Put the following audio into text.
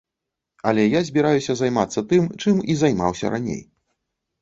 Але я збіраюся займацца тым, чым і займаўся раней.